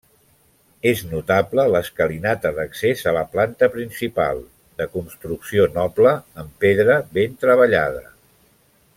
És notable l'escalinata d'accés a la planta principal, de construcció noble en pedra ben treballada.